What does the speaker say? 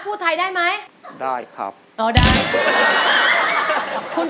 เพื่อจะไปชิงรางวัลเงินล้าน